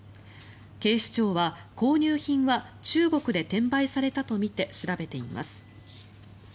警視庁は、購入品は中国で転売されたとみて調べています。